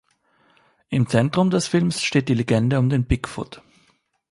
Im Zentrum des Films steht die Legende um den Bigfoot.